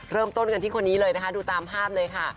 เริ่มต้นกันที่คนนี้เลยนะคะดูตามภาพเลยค่ะ